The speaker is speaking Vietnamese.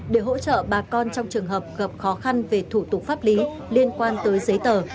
để hỗ trợ bà con trong trường hợp gặp khó khăn về thủ tục pháp lý liên quan tới giấy tờ